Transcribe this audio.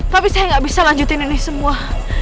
tapi saya nggak bisa lanjutin ini semua